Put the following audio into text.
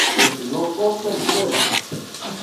El que no corre vuela.